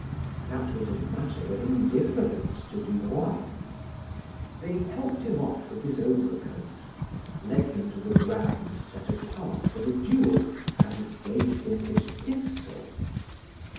That was a matter of indifference to Duroy. They helped him off with his overcoat, led him to the ground set apart for the duel, and gave him his pistol.